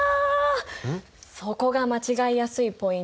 そこが間違いやすいポイントなんだ。